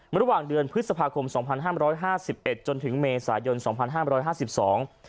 ระหว่างเดือนพฤษภาคมสองพันห้ามร้อยห้าสิบเอ็ดจนถึงเมษายนสองพันห้ามร้อยห้าสิบสอง